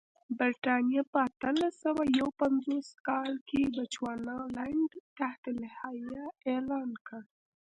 برېټانیا په اتلس سوه یو پنځوس کال کې بچوانالنډ تحت الحیه اعلان کړ.